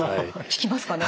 効きますかね？